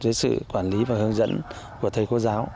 dưới sự quản lý và hướng dẫn của thầy cô giáo